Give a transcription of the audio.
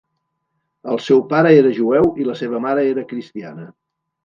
El seu pare era jueu i la seva mare era cristiana.